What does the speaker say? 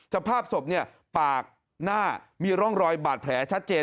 สภาพศพปากหน้ามีร่องรอยบาดแผลชัดเจน